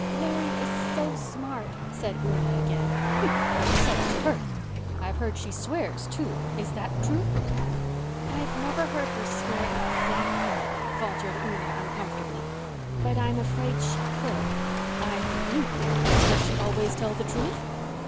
"Mary is so smart," said Una again. "Humph! So I've heard. I've heard she swears, too. Is that true?" "I've never heard her swear exactly," faltered Una uncomfortably. "But I'm afraid she could." "I believe you! Does she always tell the truth?"